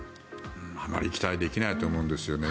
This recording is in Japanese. あまり期待できないと思うんですよね。